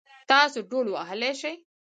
تاسو ډهول وهلی شئ؟